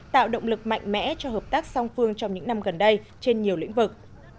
tạo động lực mạnh mẽ cho hợp tác song phương trong những năm gần đây trên nhiều lĩnh vực